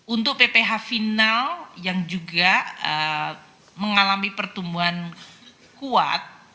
untuk pph final yang juga mengalami pertumbuhan kuat